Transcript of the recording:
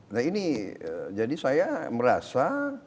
nah ini jadi saya merasa